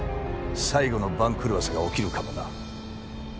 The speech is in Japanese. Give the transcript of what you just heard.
最後の番狂わせが起きるかもな。